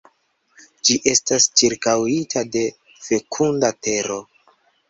Ĝi estas ĉirkaŭita de fekunda tero.